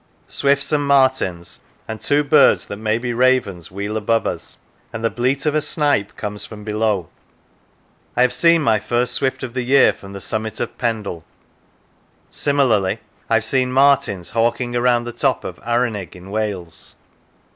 Swifts and martins and two birds that may be ravens wheel above us, and the bleat of a snipe comes from below. I have seen my first swift of the year from the summit of Pendle : similarly I have seen martins hawking round the top of Arenig in Wales.